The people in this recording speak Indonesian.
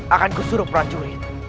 akanku suruh prajurit